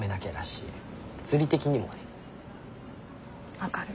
分かる。